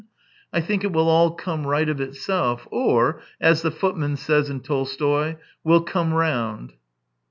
I think it will all come right of itself, or, as the foot man says in Tolstoy, will ' come round.'